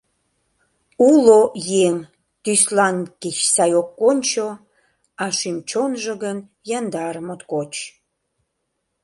Уло еҥ, тӱслан кеч сай ок кончо, А шӱм-чонжо гын яндар моткоч.